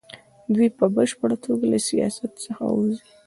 دوی په بشپړه توګه له سیاست څخه وځي.